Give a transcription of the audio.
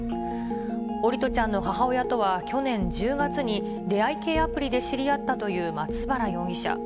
桜利斗ちゃんの母親とは、去年１０月に出会い系アプリで知り合ったという松原容疑者。